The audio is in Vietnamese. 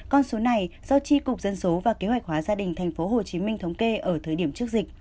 con số này do tri cục dân số và kế hoạch hóa gia đình tp hcm thống kê ở thời điểm trước dịch